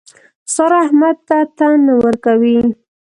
سارا احمد ته تن نه ورکوي.